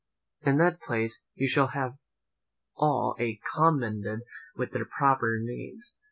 In that piece you shall have all I have commended with their proper names.